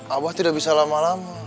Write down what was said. abah tidak bisa lama lama